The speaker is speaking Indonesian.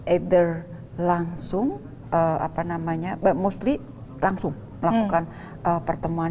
either langsung apa namanya mostly langsung melakukan pertemuan